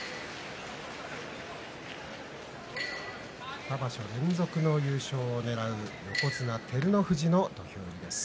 ２場所連続の優勝をねらう横綱照ノ富士の土俵入りです。